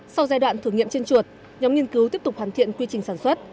sau giai đoạn thử nghiệm trên chuột nhóm nghiên cứu tiếp tục hoàn thiện quy trình sản xuất